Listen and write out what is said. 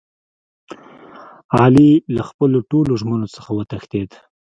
علي له خپلو ټولو ژمنو څخه و تښتېدا.